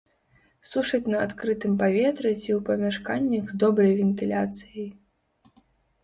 Сушаць на адкрытым паветры ці ў памяшканнях з добрай вентыляцыяй.